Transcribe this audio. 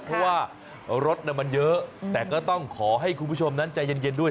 เพราะว่ารถมันเยอะแต่ก็ต้องขอให้คุณผู้ชมนั้นใจเย็นด้วย